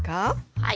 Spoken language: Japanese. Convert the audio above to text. はい。